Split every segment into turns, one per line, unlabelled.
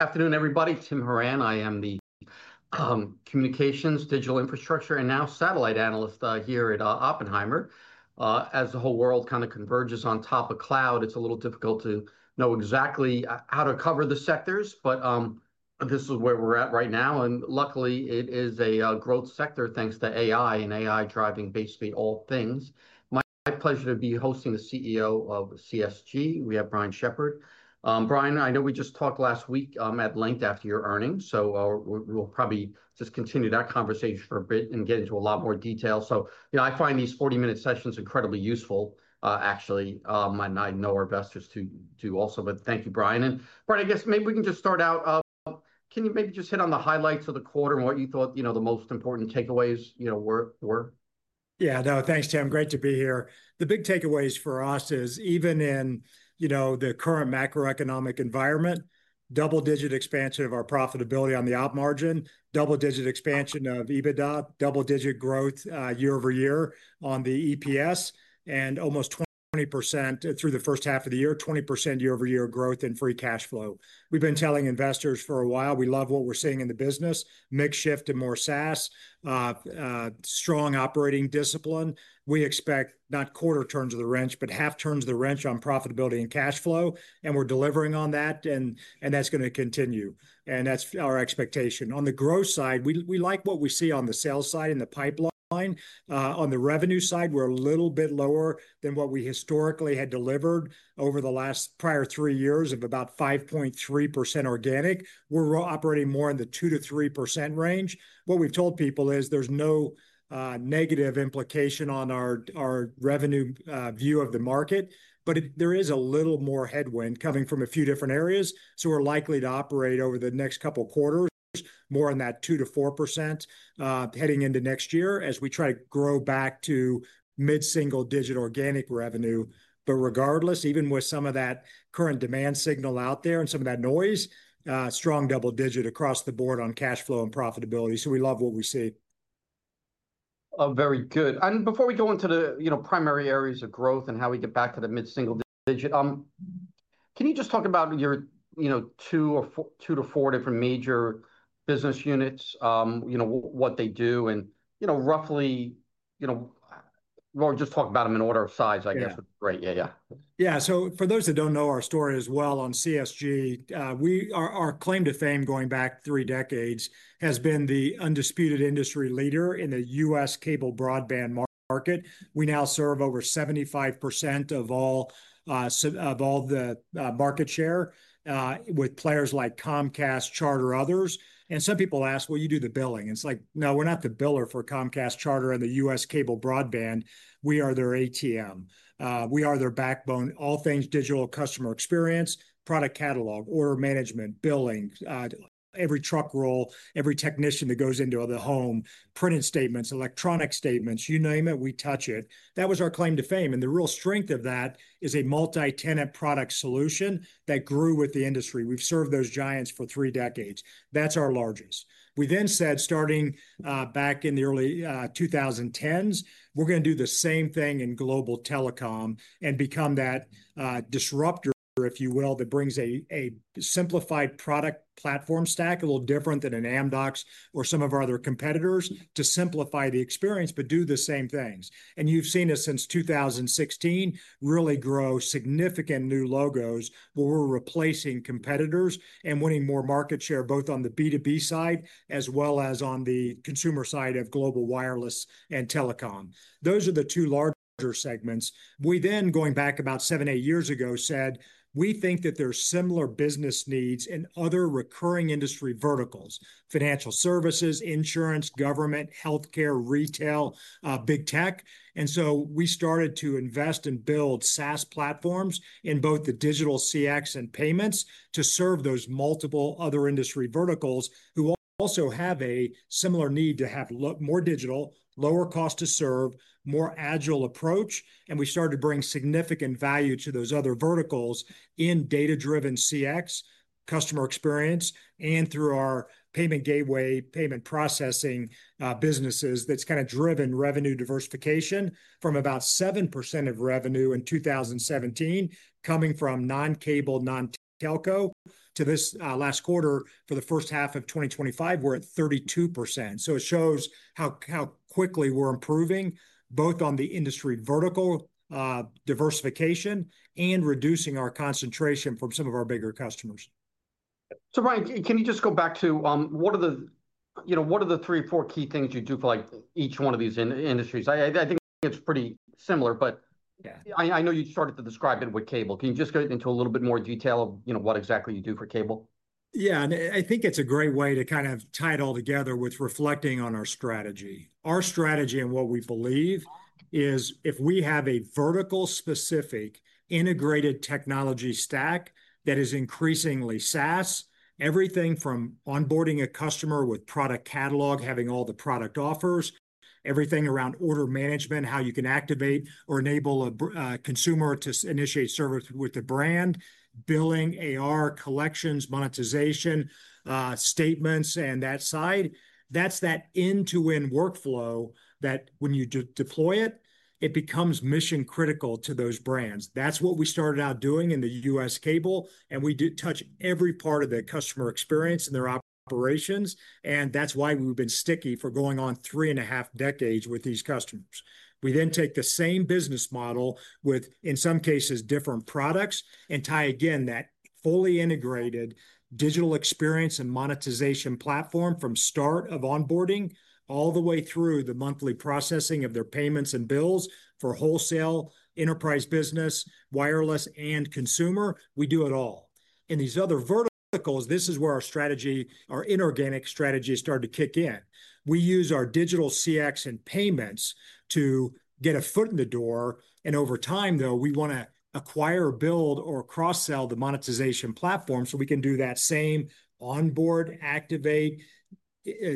Afternoon, everybody. Tim Horan. I am the Communications, Digital Infrastructure, and now Satellite Analyst here at Oppenheimer. As the whole world kind of converges on top of cloud, it's a little difficult to know exactly how to cover the sectors, but this is where we're at right now. Luckily, it is a growth sector thanks to AI and AI driving basically all things. My pleasure to be hosting the CEO of CSG. We have Brian Shepherd. Brian, I know we just talked last week at length after your earnings, so we'll probably just continue that conversation for a bit and get into a lot more detail. I find these 40-minute sessions incredibly useful, actually, and I know our investors do also. Thank you, Brian. Brian, I guess maybe we can just start out. Can you maybe just hit on the highlights of the quarter and what you thought the most important takeaways were?
Yeah, no, thanks, Tim. Great to be here. The big takeaways for us is even in the current macroeconomic environment, double-digit expansion of our profitability on the operating margin, double-digit expansion of EBITDA, double-digit growth year over year on the EPS, and almost 20% through the first half of the year, 20% year over year growth in free cash flow. We've been telling investors for a while, we love what we're seeing in the business, mix shift and more SaaS, strong operating discipline. We expect not quarter turns of the wrench, but half turns of the wrench on profitability and cash flow, and we're delivering on that, and that's going to continue, and that's our expectation. On the growth side, we like what we see on the sales side in the pipeline. On the revenue side, we're a little bit lower than what we historically had delivered over the last prior three years of about 5.3% organic. We're operating more in the 2%-3% range. What we've told people is there's no negative implication on our revenue view of the market, but there is a little more headwind coming from a few different areas, so we're likely to operate over the next couple of quarters more in that 2%-4% heading into next year as we try to grow back to mid-single-digit organic revenue. Regardless, even with some of that current demand signal out there and some of that noise, strong double-digit across the board on cash flow and profitability, so we love what we see.
Very good. Before we go into the primary areas of growth and how we get back to the mid-single-digit, can you just talk about your two to four different major business units, what they do, and roughly, or just talk about them in order of size, I guess, would be great.
Yeah, yeah. For those that don't know our story as well on CSG, our claim to fame going back three decades has been the undisputed industry leader in the U.S. cable broadband market. We now serve over 75% of all the market share with players like Comcast, Charter, and others. Some people ask, well, you do the billing. It's like, no, we're not the biller for Comcast, Charter, and the U.S. cable broadband. We are their ATM. We are their backbone, all things digital customer experience, product catalog, order management, billing, every truck roll, every technician that goes into the home, printed statements, electronic statements, you name it, we touch it. That was our claim to fame. The real strength of that is a multi-tenant product solution that grew with the industry. We've served those giants for three decades. That's our largest. We then said, starting back in the early 2010s, we're going to do the same thing in global telecom and become that disruptor, if you will, that brings a simplified product platform stack, a little different than an Amdocs or some of our other competitors, to simplify the experience, but do the same things. You've seen us since 2016 really grow significant new logos where we're replacing competitors and winning more market share both on the B2B side as well as on the consumer side of global wireless and telecom. Those are the two larger segments. Going back about seven, eight years ago, we think that there are similar business needs in other recurring industry verticals: financial services, insurance, government, healthcare, retail, big tech. We started to invest and build SaaS platforms in both the digital CX and payments to serve those multiple other industry verticals who also have a similar need to have more digital, lower cost to serve, more agile approach. We started to bring significant value to those other verticals in data-driven CX, customer experience, and through our payment gateway, payment processing businesses that's kind of driven revenue diversification from about 7% of revenue in 2017, coming from non-cable, non-telco. To this last quarter, for the first half of 2025, we're at 32%. It shows how quickly we're improving both on the industry vertical diversification and reducing our concentration from some of our bigger customers.
Brian, can you just go back to what are the, you know, what are the three or four key things you do for like each one of these industries? I think it's pretty similar, but yeah, I know you started to describe it with cable. Can you just get into a little bit more detail of, you know, what exactly you do for cable?
Yeah, I think it's a great way to kind of tie it all together with reflecting on our strategy. Our strategy and what we believe is if we have a vertical-specific integrated technology stack that is increasingly SaaS, everything from onboarding a customer with product catalog, having all the product offers, everything around order management, how you can activate or enable a consumer to initiate service with the brand, billing, AR, collections, monetization, statements, and that side, that's that end-to-end workflow that when you deploy it, it becomes mission-critical to those brands. That's what we started out doing in the U.S. cable, and we touch every part of the customer experience and their operations, and that's why we've been sticky for going on three and a half decades with these customers. We then take the same business model with, in some cases, different products and tie again that fully integrated digital experience and monetization platform from start of onboarding all the way through the monthly processing of their payments and bills for wholesale, enterprise business, wireless, and consumer. We do it all. In these other verticals, this is where our strategy, our inorganic strategy started to kick in. We use our digital CX and payments to get a foot in the door, and over time, though, we want to acquire, build, or cross-sell the monetization platform so we can do that same onboard, activate,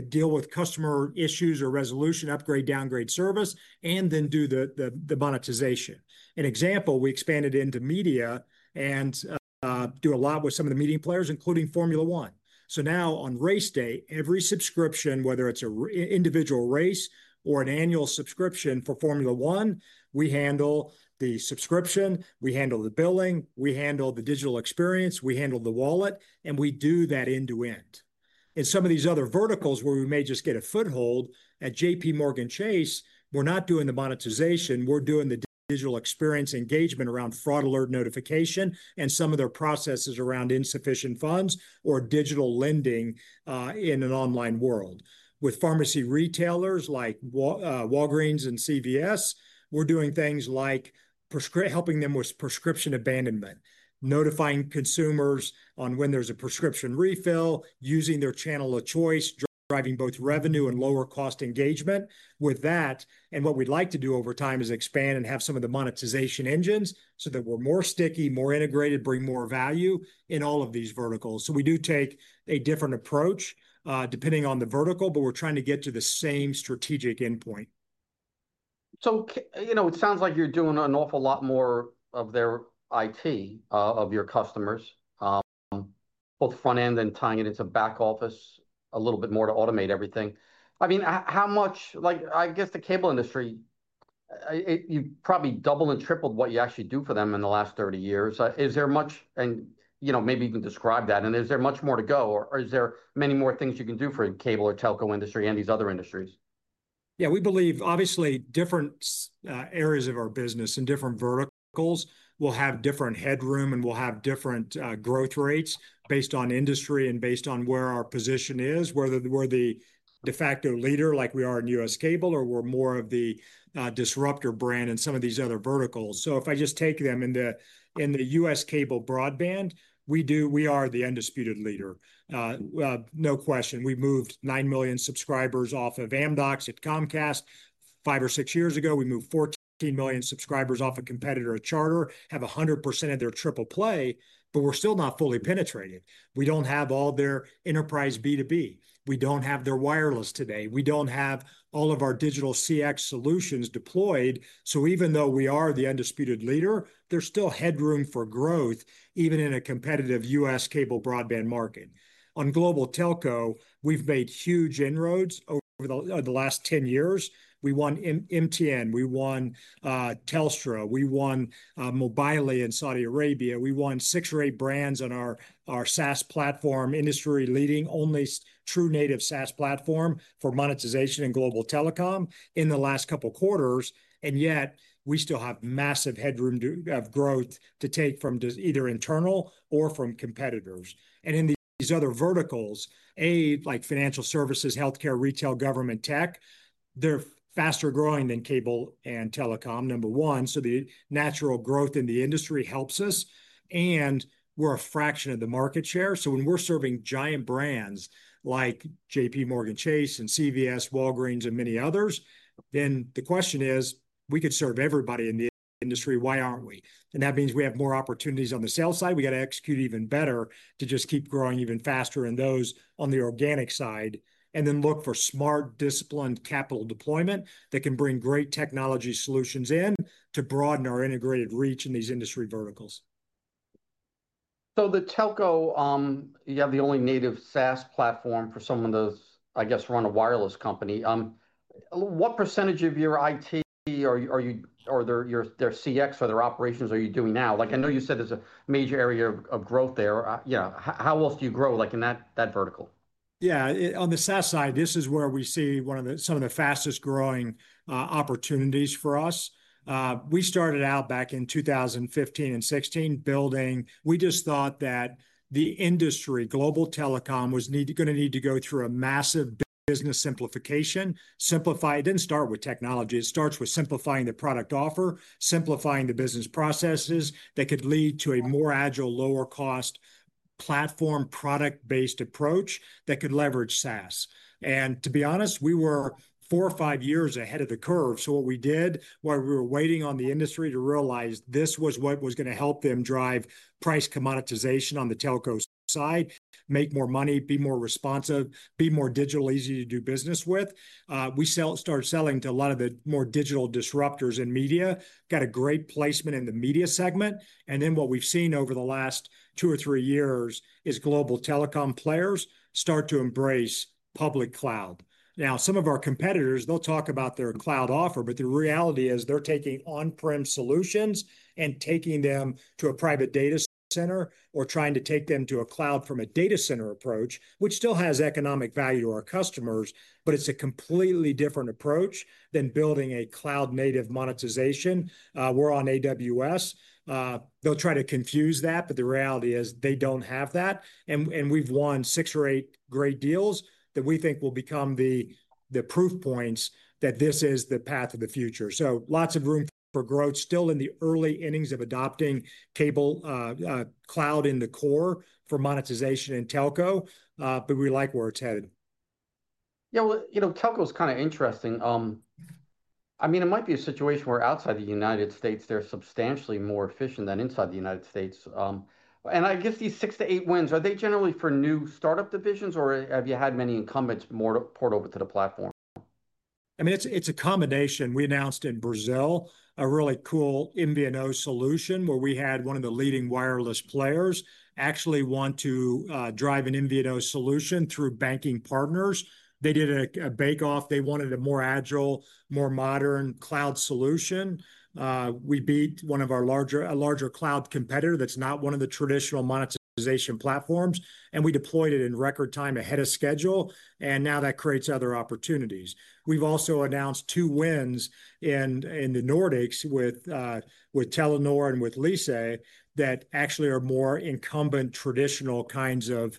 deal with customer issues or resolution, upgrade, downgrade service, and then do the monetization. An example, we expanded into media and do a lot with some of the media players, including Formula One. Now on race day, every subscription, whether it's an individual race or an annual subscription for Formula One, we handle the subscription, we handle the billing, we handle the digital experience, we handle the wallet, and we do that end-to-end. In some of these other verticals where we may just get a foothold at JPMorgan Chase, we're not doing the monetization, we're doing the digital experience engagement around fraud alert notification and some of their processes around insufficient funds or digital lending in an online world. With pharmacy retailers like Walgreens and CVS, we're doing things like helping them with prescription abandonment, notifying consumers on when there's a prescription refill, using their channel of choice, driving both revenue and lower cost engagement. With that, and what we'd like to do over time is expand and have some of the monetization engines so that we're more sticky, more integrated, bring more value in all of these verticals. We do take a different approach depending on the vertical, but we're trying to get to the same strategic endpoint.
It sounds like you're doing an awful lot more of their IT of your customers, both front end and tying it into back-office a little bit more to automate everything. I mean, how much, like I guess the cable industry, you've probably doubled and tripled what you actually do for them in the last 30 years. Is there much, and maybe even describe that, and is there much more to go, or are there many more things you can do for the cable or telco industry and these other industries?
Yeah, we believe obviously different areas of our business and different verticals will have different headroom and will have different growth rates based on industry and based on where our position is, whether we're the de facto leader like we are in U.S. cable or we're more of the disruptor brand in some of these other verticals. If I just take them in the U.S. cable broadband, we are the undisputed leader. No question. We moved 9 million subscribers off of Amdocs at Comcast five or six years ago. We moved 14 million subscribers off a competitor at Charter, have 100% of their triple play, but we're still not fully penetrated. We don't have all their enterprise B2B. We don't have their wireless today. We don't have all of our digital CX solutions deployed. Even though we are the undisputed leader, there's still headroom for growth even in a competitive U.S. cable broadband market. On global telco, we've made huge inroads over the last 10 years. We won MTN, we won Telstra, we won Mobily in Saudi Arabia, we won six or eight brands on our SaaS platform, industry-leading, only true native SaaS platform for monetization in global telecom in the last couple of quarters. Yet we still have massive headroom of growth to take from either internal or from competitors. In these other verticals, like financial services, healthcare, retail, government tech, they're faster growing than cable and telecom, number one. The natural growth in the industry helps us, and we're a fraction of the market share. When we're serving giant brands like JPMorgan Chase and CVS, Walgreens, and many others, the question is, we could serve everybody in the industry, why aren't we? That means we have more opportunities on the sales side. We got to execute even better to just keep growing even faster in those on the organic side and then look for smart, disciplined capital deployment that can bring great technology solutions in to broaden our integrated reach in these industry verticals.
The telco, you have the only native SaaS platform for someone to, I guess, run a wireless company. What percentage of your IT or their CX or their operations are you doing now? I know you said there's a major area of growth there. How else do you grow in that vertical?
Yeah, on the SaaS side, this is where we see some of the fastest growing opportunities for us. We started out back in 2015 and 2016 building. We just thought that the industry, global telecom, was going to need to go through a massive business simplification. Simplify, it didn't start with technology. It starts with simplifying the product offer, simplifying the business processes that could lead to a more agile, lower cost platform product-based approach that could leverage SaaS. To be honest, we were four or five years ahead of the curve. What we did, while we were waiting on the industry to realize this was what was going to help them drive price commoditization on the telco side, make more money, be more responsive, be more digital, easy to do business with, we started selling to a lot of the more digital disruptors in media, got a great placement in the media segment. What we've seen over the last two or three years is global telecom players start to embrace public cloud. Now, some of our competitors, they'll talk about their cloud offer, but the reality is they're taking on-prem solutions and taking them to a private data center or trying to take them to a cloud from a data center approach, which still has economic value to our customers, but it's a completely different approach than building a cloud-native monetization. We're on AWS. They'll try to confuse that, but the reality is they don't have that. We've won six or eight great deals that we think will become the proof points that this is the path of the future. Lots of room for growth still in the early innings of adopting cable cloud in the core for monetization in telco, but we like where it's headed.
You know, telco is kind of interesting. I mean, it might be a situation where outside the U.S., they're substantially more efficient than inside the U.S. I guess these six to eight wins, are they generally for new startup divisions or have you had many incumbents more to port over to the platform?
I mean, it's a combination. We announced in Brazil a really cool MVNO solution where we had one of the leading wireless players actually want to drive an MVNO solution through banking partners. They did a bake-off. They wanted a more agile, more modern cloud solution. We beat one of our larger cloud competitors that's not one of the traditional monetization platforms, and we deployed it in record time ahead of schedule, and now that creates other opportunities. We've also announced two wins in the Nordics with Telenor and with LISA that actually are more incumbent traditional kinds of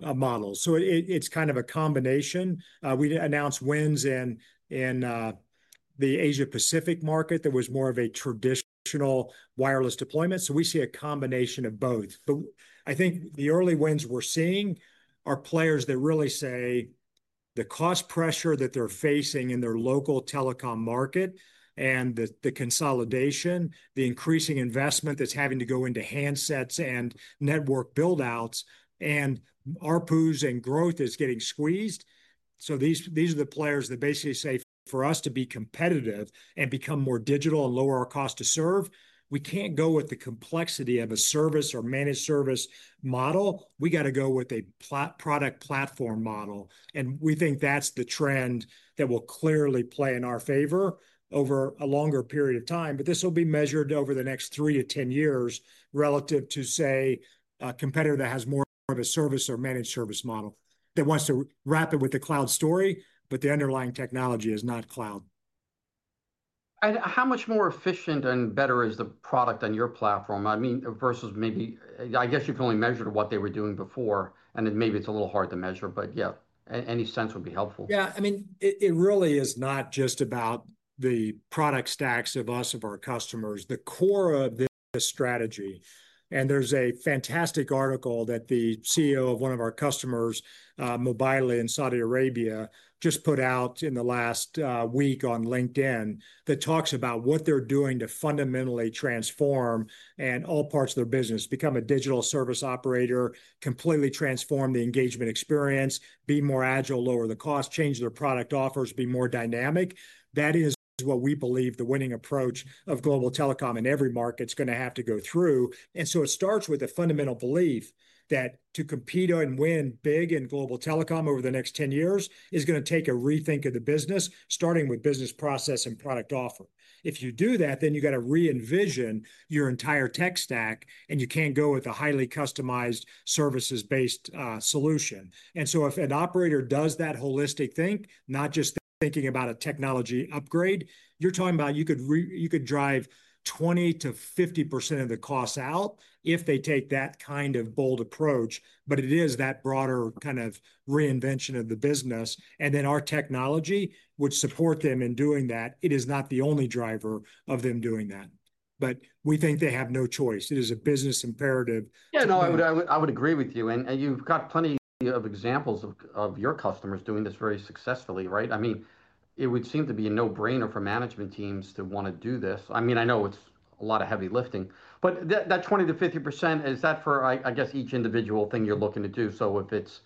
models. It's kind of a combination. We announced wins in the Asia-Pacific market that was more of a traditional wireless deployment. We see a combination of both. I think the early wins we're seeing are players that really say the cost pressure that they're facing in their local telecom market and the consolidation, the increasing investment that's having to go into handsets and network buildouts, and ARPUs and growth is getting squeezed. These are the players that basically say for us to be competitive and become more digital and lower our cost to serve, we can't go with the complexity of a service or managed service model. We got to go with a product platform model. We think that's the trend that will clearly play in our favor over a longer period of time. This will be measured over the next three to 10 years relative to, say, a competitor that has more of a service or managed service model that wants to wrap it with the cloud story, but the underlying technology is not cloud.
How much more efficient and better is the product on your platform? I mean, versus maybe, I guess you can only measure to what they were doing before, and then maybe it's a little hard to measure, but yeah, any sense would be helpful.
Yeah, I mean, it really is not just about the product stacks of us, of our customers. The core of this strategy, and there's a fantastic article that the CEO of one of our customers, Mobily in Saudi Arabia, just put out in the last week on LinkedIn that talks about what they're doing to fundamentally transform all parts of their business, become a digital service operator, completely transform the engagement experience, be more agile, lower the cost, change their product offers, be more dynamic. That is what we believe the winning approach of global telecom in every market is going to have to go through. It starts with a fundamental belief that to compete and win big in global telecom over the next 10 years is going to take a rethink of the business, starting with business process and product offer. If you do that, then you got to re-envision your entire tech stack, and you can't go with a highly customized services-based solution. If an operator does that holistic think, not just thinking about a technology upgrade, you're talking about you could drive 20%-50% of the costs out if they take that kind of bold approach. It is that broader kind of reinvention of the business. Our technology would support them in doing that. It is not the only driver of them doing that. We think they have no choice. It is a business imperative.
Yeah, no, I would agree with you. You've got plenty of examples of your customers doing this very successfully, right? I mean, it would seem to be a no-brainer for management teams to want to do this. I know it's a lot of heavy lifting. That 20%-50%, is that for, I guess, each individual thing you're looking to do? If it's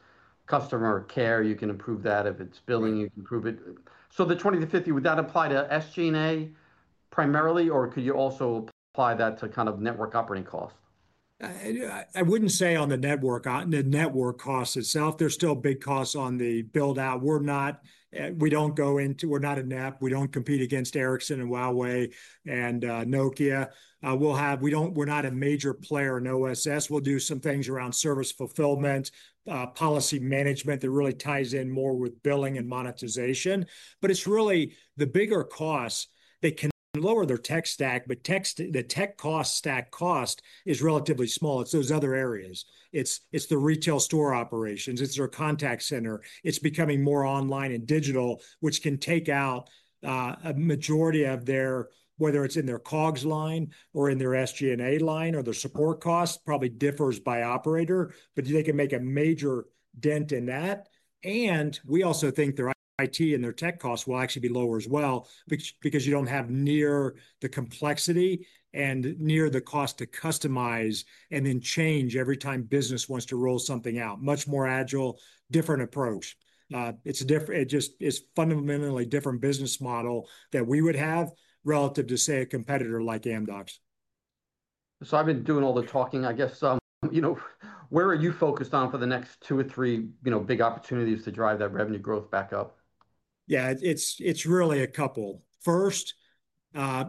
customer care, you can improve that. If it's billing, you can improve it. The 20%-50%, would that apply to SG&A primarily, or could you also apply that to kind of network operating costs?
I wouldn't say on the network costs itself. There are still big costs on the buildout. We don't go into, we're not a NAP. We don't compete against Ericsson and Huawei and Nokia. We don't, we're not a major player in OSS. We do some things around service fulfillment, policy management that really ties in more with billing and monetization. It's really the bigger costs. They can lower their tech stack, but the tech stack cost is relatively small. It's those other areas. It's the retail store operations. It's their contact center. It's becoming more online and digital, which can take out a majority of their, whether it's in their COGS line or in their SG&A line or their support costs, probably differs by operator. They can make a major dent in that. We also think their IT and their tech costs will actually be lower as well because you don't have near the complexity and near the cost to customize and then change every time business wants to roll something out. Much more agile, different approach. It just is fundamentally a different business model that we would have relative to, say, a competitor like Amdocs.
I guess, you know, where are you focused on for the next two or three, you know, big opportunities to drive that revenue growth back up?
Yeah, it's really a couple. First,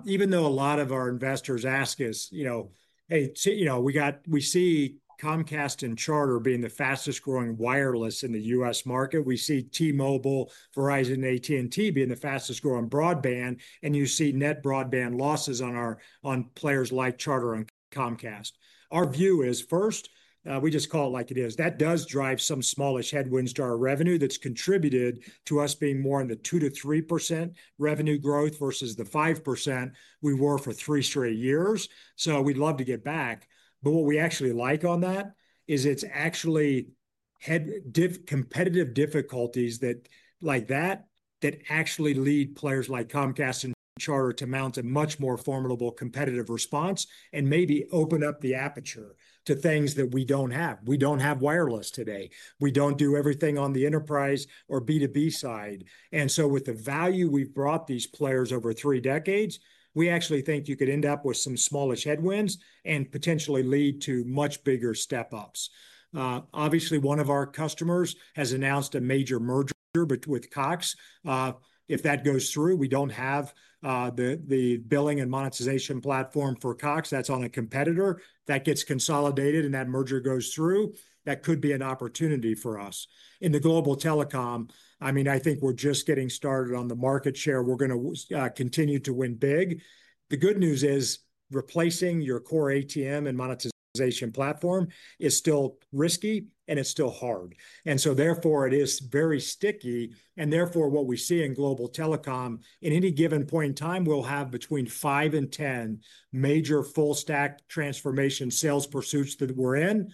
even though a lot of our investors ask us, you know, hey, you know, we see Comcast and Charter being the fastest growing wireless in the U.S. market. We see T-Mobile, Verizon, AT&T being the fastest growing broadband. You see net broadband losses on our players like Charter and Comcast. Our view is first, we just call it like it is. That does drive some smallish headwinds to our revenue that's contributed to us being more in the 2%-3% revenue growth versus the 5% we were for three straight years. We'd love to get back. What we actually like on that is it's actually competitive difficulties that, like that, that actually lead players like Comcast and Charter to mount a much more formidable competitive response and maybe open up the aperture to things that we don't have. We don't have wireless today. We don't do everything on the enterprise or B2B side. With the value we've brought these players over three decades, we actually think you could end up with some smallish headwinds and potentially lead to much bigger step-ups. Obviously, one of our customers has announced a major merger with Cox. If that goes through, we don't have the billing and monetization platform for Cox. That's on a competitor. If that gets consolidated and that merger goes through, that could be an opportunity for us. In the global telecom, I mean, I think we're just getting started on the market share. We're going to continue to win big. The good news is replacing your core ATM and monetization platform is still risky and it's still hard. Therefore, it is very sticky. Therefore, what we see in global telecom in any given point in time, we'll have between five and ten major full-stack transformation sales pursuits that we're in.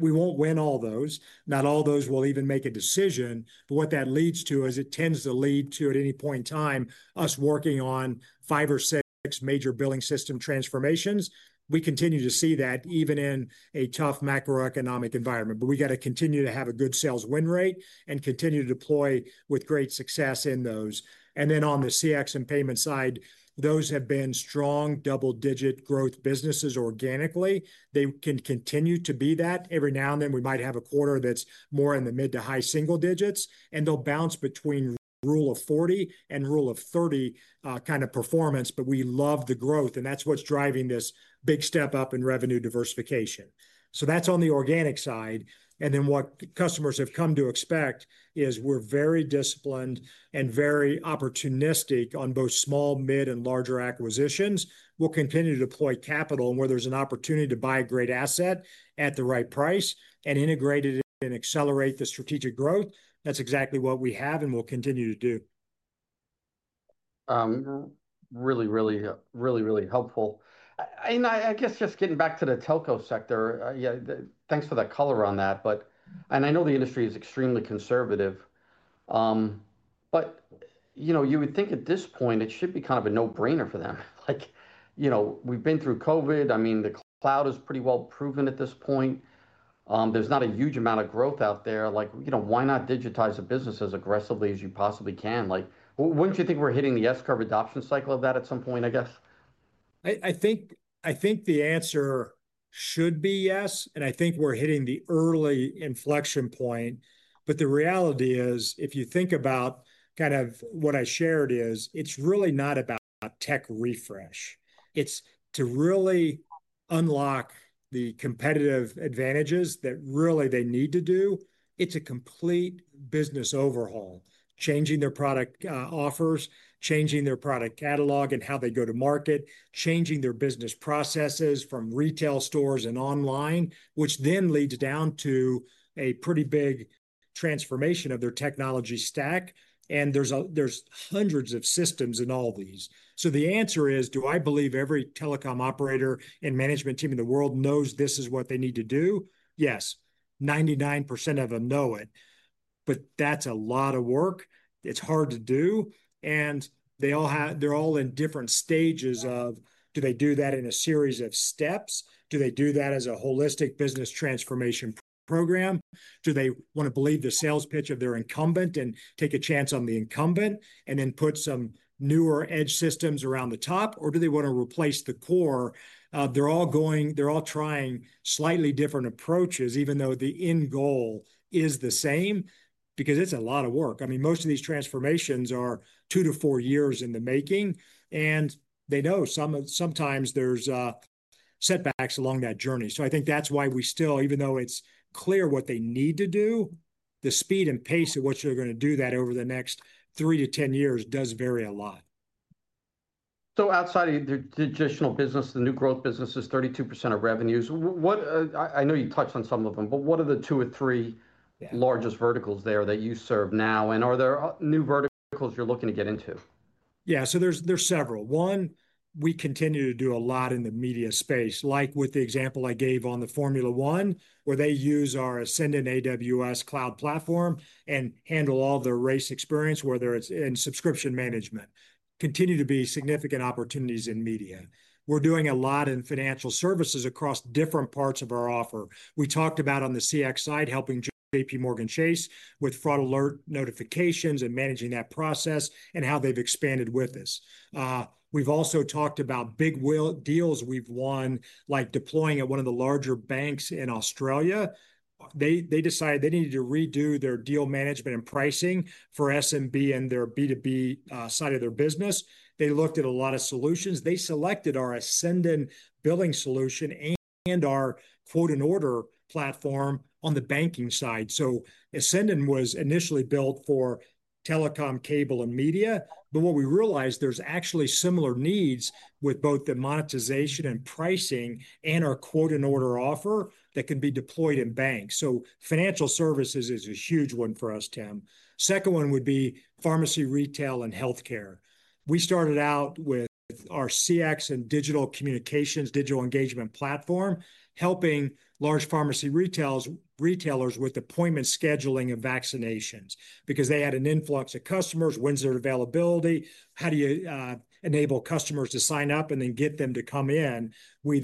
We won't win all those. Not all those will even make a decision. What that leads to is it tends to lead to at any point in time us working on five or six major billing system transformations. We continue to see that even in a tough macroeconomic environment. We got to continue to have a good sales win rate and continue to deploy with great success in those. On the CX and payment side, those have been strong double-digit growth businesses organically. They can continue to be that. Every now and then we might have a quarter that's more in the mid to high single digits. They'll bounce between rule of 40 and rule of 30 kind of performance. We love the growth. That's what's driving this big step up in revenue diversification. On the organic side, what customers have come to expect is we're very disciplined and very opportunistic on both small, mid, and larger acquisitions. We'll continue to deploy capital where there's an opportunity to buy a great asset at the right price and integrate it and accelerate the strategic growth. That's exactly what we have and we'll continue to do.
Really helpful. I guess just getting back to the telco sector, thanks for the color on that. I know the industry is extremely conservative. You would think at this point it should be kind of a no-brainer for them. We've been through COVID. The cloud is pretty well proven at this point. There's not a huge amount of growth out there. Why not digitize the business as aggressively as you possibly can? Wouldn't you think we're hitting the S-curve adoption cycle of that at some point, I guess?
I think the answer should be yes. I think we're hitting the early inflection point. The reality is, if you think about kind of what I shared, it's really not about tech refresh. It's to really unlock the competitive advantages that really they need to do. It's a complete business overhaul, changing their product offers, changing their product catalog and how they go to market, changing their business processes from retail stores and online, which then leads down to a pretty big transformation of their technology stack. There are hundreds of systems in all these. The answer is, do I believe every telecom operator and management team in the world knows this is what they need to do? Yes, 99% of them know it. That's a lot of work. It's hard to do. They all have, they're all in different stages of, do they do that in a series of steps? Do they do that as a holistic business transformation program? Do they want to believe the sales pitch of their incumbent and take a chance on the incumbent and then put some newer edge systems around the top? Do they want to replace the core? They're all trying slightly different approaches, even though the end goal is the same, because it's a lot of work. Most of these transformations are two to four years in the making. They know sometimes there's setbacks along that journey. I think that's why we still, even though it's clear what they need to do, the speed and pace of what you're going to do that over the next three to ten years does vary a lot.
Outside of the traditional business, the new growth business is 32% of revenues. What, I know you touched on some of them, but what are the two or three largest verticals there that you serve now? Are there new verticals you're looking to get into?
Yeah, so there's several. One, we continue to do a lot in the media space, like with the example I gave on Formula One, where they use our Ascendant AWS cloud platform and handle all of their race experience, whether it's in subscription management. There continue to be significant opportunities in media. We're doing a lot in financial services across different parts of our offer. We talked about on the CX side helping JPMorgan Chase with fraud alert notifications and managing that process and how they've expanded with us. We've also talked about big deals we've won, like deploying at one of the larger banks in Australia. They decided they needed to redo their deal management and pricing for SMB and their B2B side of their business. They looked at a lot of solutions. They selected our Ascendant billing solution and our quote and order platform on the banking side. Ascendant was initially built for telecom, cable, and media. What we realized is there's actually similar needs with both the monetization and pricing and our quote and order offer that can be deployed in banks. Financial services is a huge one for us, Tim. Second one would be pharmacy, retail, and healthcare. We started out with our CX and digital communications, digital engagement platform, helping large pharmacy retailers with appointment scheduling and vaccinations because they had an influx of customers, winds of availability. How do you enable customers to sign up and then get them to come in?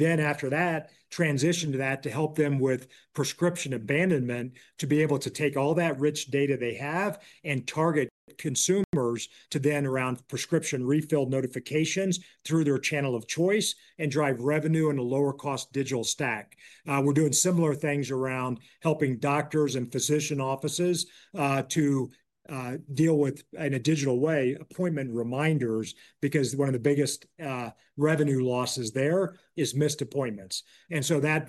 After that, we transitioned to help them with prescription abandonment to be able to take all that rich data they have and target consumers to then around prescription refill notifications through their channel of choice and drive revenue in a lower cost digital stack. We're doing similar things around helping doctors and physician offices to deal with, in a digital way, appointment reminders because one of the biggest revenue losses there is missed appointments.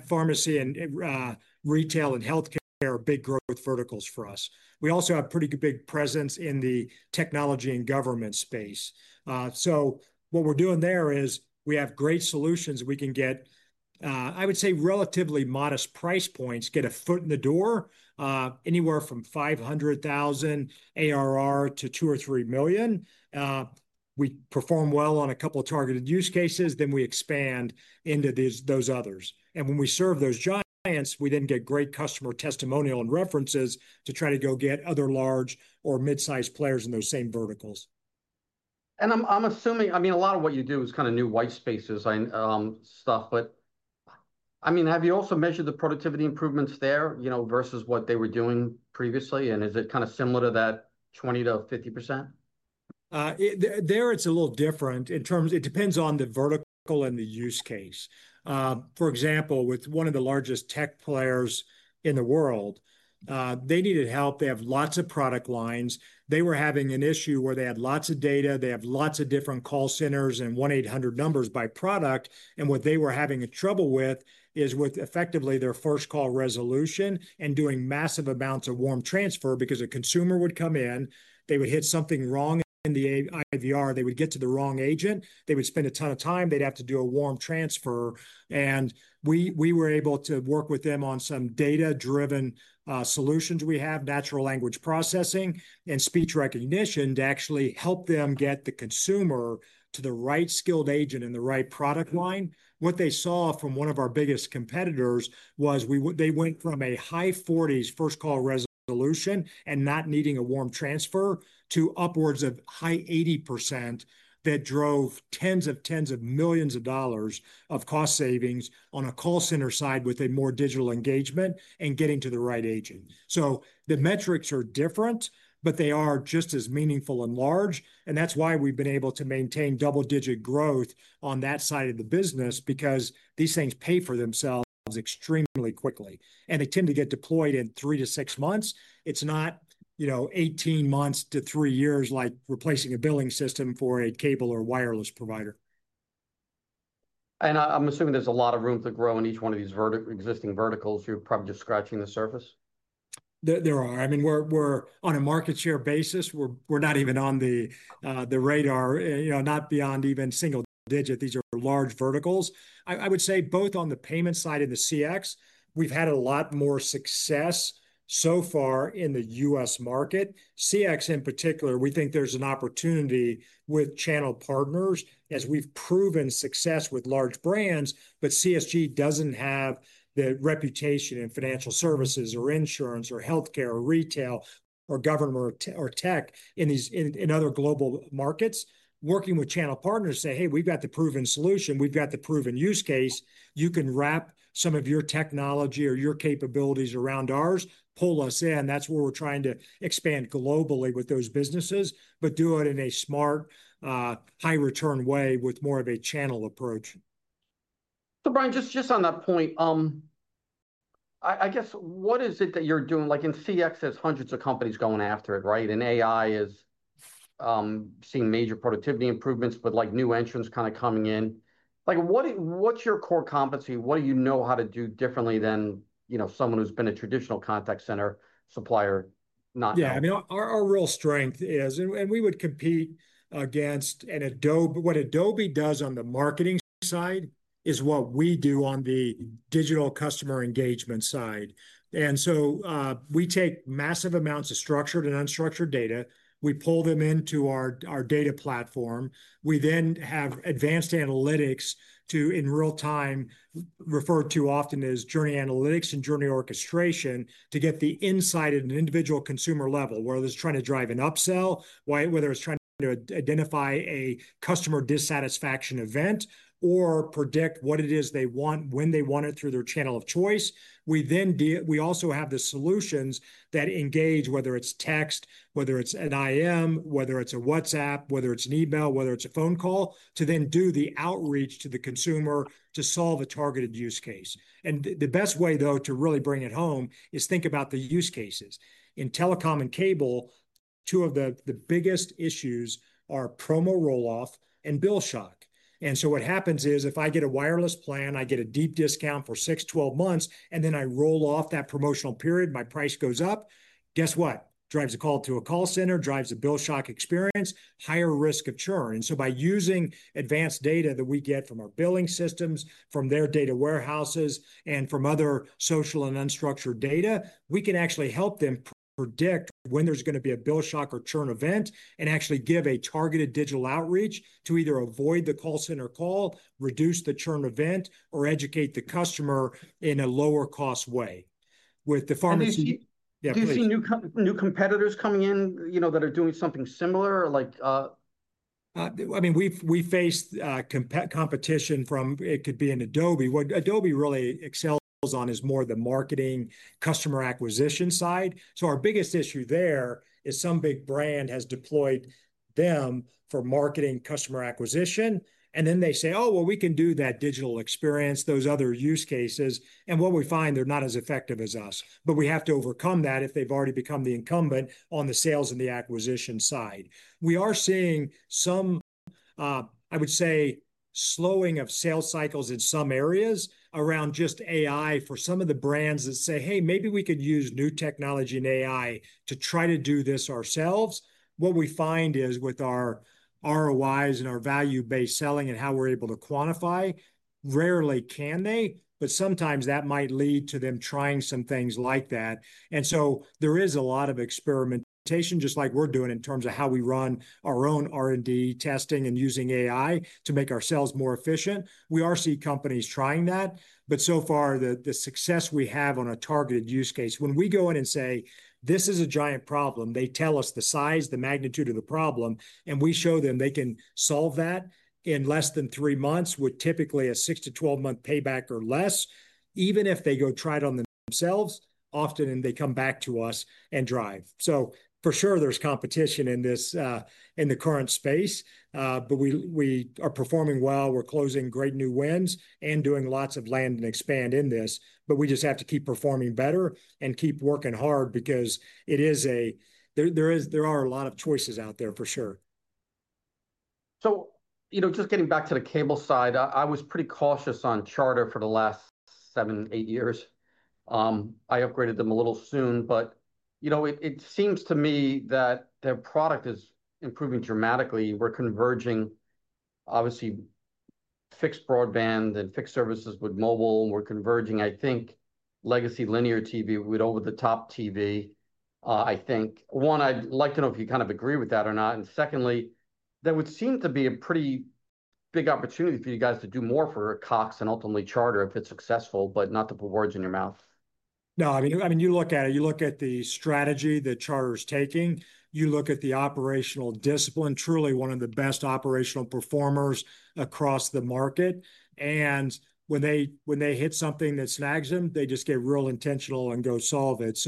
Pharmacy and retail and healthcare are big growth verticals for us. We also have a pretty big presence in the technology and government space. What we're doing there is we have great solutions that we can get, I would say, at relatively modest price points, get a foot in the door, anywhere from $500,000 ARR to $2 million or $3 million. We perform well on a couple of targeted use cases, then we expand into those others. When we serve those giants, we then get great customer testimonial and references to try to go get other large or mid-sized players in those same verticals.
I mean, a lot of what you do is kind of new white spaces stuff, but have you also measured the productivity improvements there, you know, versus what they were doing previously? Is it kind of similar to that 20%-50%?
There, it's a little different in terms, it depends on the vertical and the use case. For example, with one of the largest tech players in the world, they needed help. They have lots of product lines. They were having an issue where they had lots of data. They have lots of different call centers and 1-800 numbers by product. What they were having trouble with is with effectively their first call resolution and doing massive amounts of warm transfer because a consumer would come in, they would hit something wrong in the IVR, they would get to the wrong agent, they would spend a ton of time, they'd have to do a warm transfer. We were able to work with them on some data-driven solutions we have, natural language processing and speech recognition to actually help them get the consumer to the right skilled agent in the right product line. What they saw from one of our biggest competitors was they went from a high 40% first call resolution and not needing a warm transfer to upwards of high 80% that drove tens of tens of millions of dollars of cost savings on a call center side with a more digital engagement and getting to the right agent. The metrics are different, but they are just as meaningful and large. That's why we've been able to maintain double-digit growth on that side of the business because these things pay for themselves extremely quickly. They tend to get deployed in three to six months. It's not, you know, 18 months to three years like replacing a billing system for a cable or wireless provider.
There is a lot of room to grow in each one of these existing verticals. You're probably just scratching the surface.
There are. I mean, we're on a market share basis. We're not even on the radar, you know, not beyond even single digit. These are large verticals. I would say both on the payment side and the CX, we've had a lot more success so far in the U.S. market. CX in particular, we think there's an opportunity with channel partners as we've proven success with large brands, but CSG doesn't have the reputation in financial services or insurance or healthcare or retail or government or tech in these in other global markets. Working with channel partners to say, hey, we've got the proven solution. We've got the proven use case. You can wrap some of your technology or your capabilities around ours, pull us in. That's where we're trying to expand globally with those businesses, but do it in a smart, high-return way with more of a channel approach.
Brian, just on that point, I guess what is it that you're doing? In customer experience, there's hundreds of companies going after it, right? AI is seeing major productivity improvements with new entrants kind of coming in. What's your core competency? What do you know how to do differently than, you know, someone who's been a traditional contact center supplier?
Yeah, I mean, our real strength is, and we would compete against what Adobe does on the marketing side, is what we do on the digital customer engagement side. We take massive amounts of structured and unstructured data. We pull them into our data platform. We then have advanced analytics to, in real time, referred to often as journey analytics and journey orchestration, get the insight at an individual consumer level, whether it's trying to drive an upsell, whether it's trying to identify a customer dissatisfaction event, or predict what it is they want when they want it through their channel of choice. We then also have the solutions that engage, whether it's text, whether it's an IM, whether it's a WhatsApp, whether it's an email, whether it's a phone call, to do the outreach to the consumer to solve a targeted use case. The best way to really bring it home is think about the use cases. In telecom and cable, two of the biggest issues are promo rolloff and bill shock. What happens is if I get a wireless plan, I get a deep discount for six, 12 months, and then I roll off that promotional period, my price goes up. Guess what? Drives a call to a call center, drives a bill shock experience, higher risk of churn. By using advanced data that we get from our billing systems, from their data warehouses, and from other social and unstructured data, we can actually help them predict when there's going to be a bill shock or churn event and actually give a targeted digital outreach to either avoid the call center call, reduce the churn event, or educate the customer in a lower cost way.
Have you seen new competitors coming in that are doing something similar?
I mean, we've faced competition from, it could be an Adobe. What Adobe really excels on is more the marketing customer acquisition side. Our biggest issue there is some big brand has deployed them for marketing customer acquisition, and then they say, oh, well, we can do that digital experience, those other use cases. What we find, they're not as effective as us. We have to overcome that if they've already become the incumbent on the sales and the acquisition side. We are seeing some, I would say, slowing of sales cycles in some areas around just AI for some of the brands that say, hey, maybe we could use new technology and AI to try to do this ourselves. What we find is with our ROIs and our value-based selling and how we're able to quantify, rarely can they, but sometimes that might lead to them trying some things like that. There is a lot of experimentation just like we're doing in terms of how we run our own R&D testing and using AI to make ourselves more efficient. We are seeing companies trying that, but so far the success we have on a targeted use case, when we go in and say, this is a giant problem, they tell us the size, the magnitude of the problem, and we show them they can solve that in less than three months with typically a six to 12 month payback or less, even if they go try it on themselves, often they come back to us and drive. There is competition in this, in the current space, but we are performing well. We're closing great new wins and doing lots of land and expand in this, but we just have to keep performing better and keep working hard because it is a, there are a lot of choices out there for sure.
You know, just getting back to the cable side, I was pretty cautious on Charter for the last seven, eight years. I upgraded them a little soon, but you know, it seems to me that their product is improving dramatically. We're converging, obviously, fixed broadband and fixed services with mobile. We're converging, I think, legacy linear TV with over-the-top TV. I think, one, I'd like to know if you kind of agree with that or not. Secondly, there would seem to be a pretty big opportunity for you guys to do more for Cox and ultimately Charter if it's successful, but not to put words in your mouth.
You look at it, you look at the strategy that Charter is taking. You look at the operational discipline, truly one of the best operational performers across the market. When they hit something that snags them, they just get real intentional and go solve it.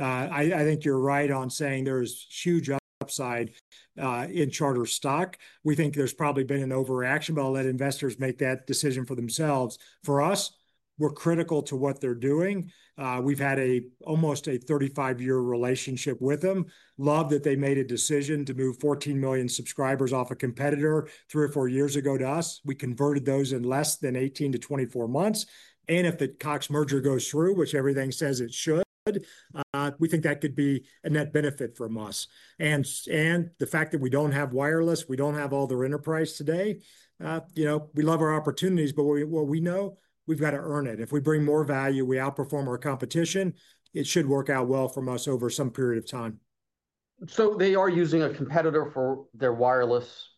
I think you're right on saying there's huge upside in Charter stock. We think there's probably been an overreaction, but I'll let investors make that decision for themselves. For us, we're critical to what they're doing. We've had almost a 35-year relationship with them. Love that they made a decision to move 14 million subscribers off a competitor three or four years ago to us. We converted those in less than 18 to 24 months. If the Cox merger goes through, which everything says it should, we think that could be a net benefit for us. The fact that we don't have wireless, we don't have all their enterprise today, we love our opportunities, but what we know, we've got to earn it. If we bring more value, we outperform our competition, it should work out well for us over some period of time.
They are using a competitor for their wireless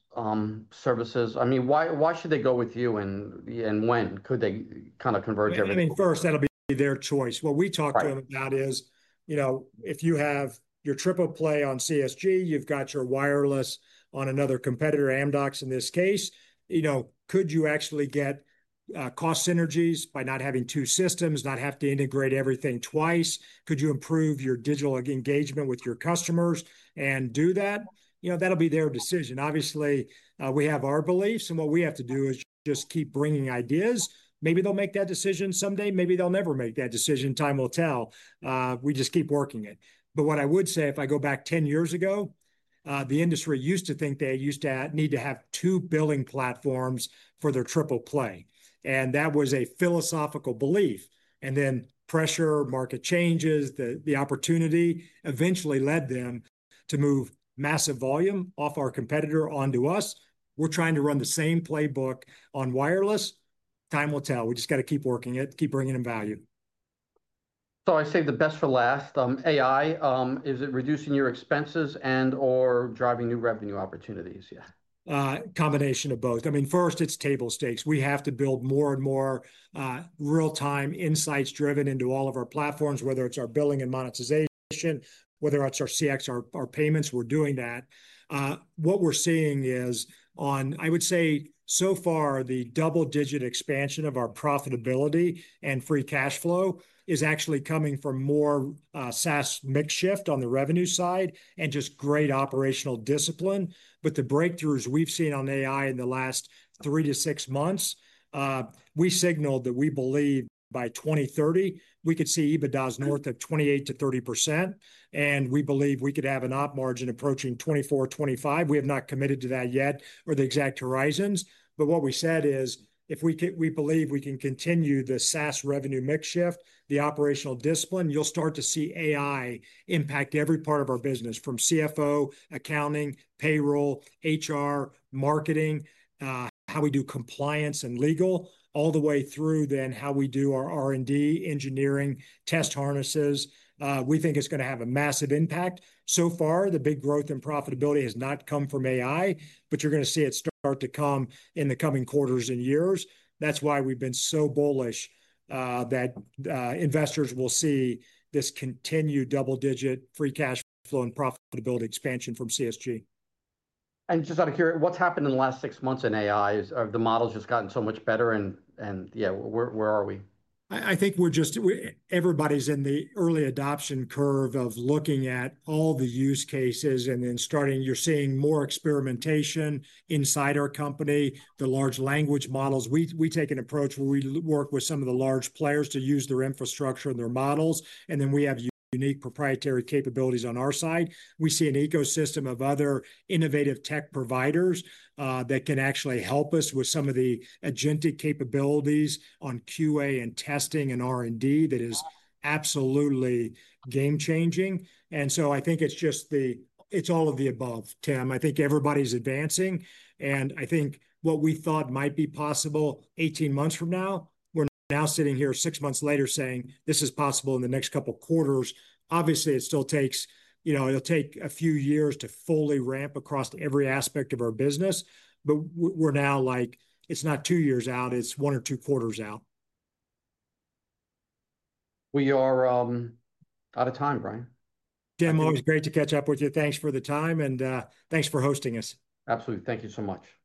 services. I mean, why should they go with you and when could they kind of converge everything?
I think first, that'll be their choice. What we talk to them about is, you know, if you have your triple play on CSG, you've got your wireless on another competitor, Amdocs in this case, you know, could you actually get cost synergies by not having two systems, not have to integrate everything twice? Could you improve your digital engagement with your customers and do that? That'll be their decision. Obviously, we have our beliefs and what we have to do is just keep bringing ideas. Maybe they'll make that decision someday. Maybe they'll never make that decision. Time will tell. We just keep working it. If I go back 10 years ago, the industry used to think they used to need to have two billing platforms for their triple play. That was a philosophical belief. Then pressure, market changes, the opportunity eventually led them to move massive volume off our competitor onto us. We're trying to run the same playbook on wireless. Time will tell. We just got to keep working it, keep bringing in value.
I say the best for last. AI, is it reducing your expenses and/or driving new revenue opportunities? Yeah.
Combination of both. I mean, first, it's table stakes. We have to build more and more real-time insights driven into all of our platforms, whether it's our billing and monetization, whether it's our CX or our payments, we're doing that. What we're seeing is, I would say, so far, the double-digit expansion of our profitability and free cash flow is actually coming from more SaaS makeshift on the revenue side and just great operational discipline. The breakthroughs we've seen on AI in the last three to six months, we signaled that we believe by 2030, we could see EBITDA north of 28%-30%. We believe we could have an operating margin approaching 24%, 25%. We have not committed to that yet or the exact horizons. What we said is if we believe we can continue the SaaS revenue makeshift, the operational discipline, you'll start to see AI impact every part of our business from CFO, accounting, payroll, HR, marketing, how we do compliance and legal, all the way through how we do our R&D, engineering, test harnesses. We think it's going to have a massive impact. So far, the big growth in profitability has not come from AI, but you're going to see it start to come in the coming quarters and years. That is why we've been so bullish that investors will see this continued double-digit free cash flow and profitability expansion from CSG.
What has happened in the last six months in AI? Have the models just gotten so much better? Where are we?
I think we're just, everybody's in the early adoption curve of looking at all the use cases and then starting, you're seeing more experimentation inside our company, the large language models. We take an approach where we work with some of the large players to use their infrastructure and their models. We have unique proprietary capabilities on our side. We see an ecosystem of other innovative tech providers that can actually help us with some of the agentic capabilities on QA and testing and R&D that is absolutely game-changing. I think it's just the, it's all of the above, Tim. I think everybody's advancing. I think what we thought might be possible 18 months from now, we're now sitting here six months later saying this is possible in the next couple of quarters. Obviously, it still takes, you know, it'll take a few years to fully ramp across every aspect of our business. We're now like, it's not two years out, it's one or two quarters out.
We are out of time, Brian.
Tim, it was great to catch up with you. Thanks for the time, and thanks for hosting us.
Absolutely. Thank you so much.